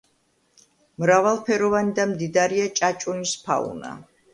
მრავალფეროვანი და მდიდარია ჭაჭუნის ფაუნა.